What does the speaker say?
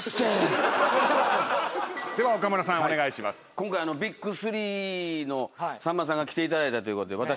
今回ＢＩＧ３のさんまさんが来ていただいたということで私